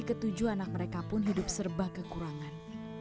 hai karena kondisi ke tujuh anak mereka pun hidup serba kekurangan